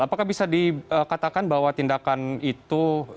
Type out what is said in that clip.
apakah bisa dikatakan bahwa tindakan itu